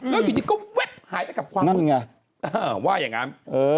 แล้วอยู่ดีก็แว๊บหายไปกับขวามือไงว่าอย่างนั้น